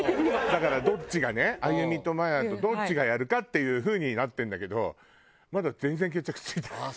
だからどっちがね亜弓とマヤとどっちがやるかっていう風になってるんだけどまだ全然決着ついてない。